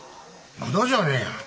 無駄じゃねえよ。